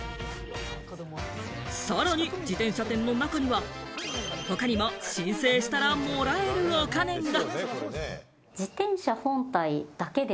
さらに、自転車店の中には他にも申請したらもらえるお金が。